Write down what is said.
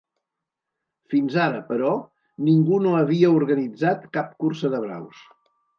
Fins ara, però, ningú no havia organitzat cap cursa de braus.